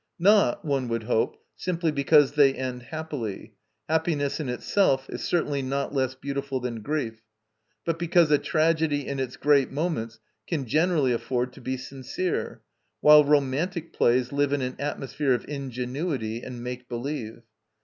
Not, one would hope, simply because they end happily; happiness in itself is certainly not less beautiful than grief; but because a tragedy in its great moments can generally afford to be sincere, while romantic plays live in an atmosphere of ingenuity and make believe.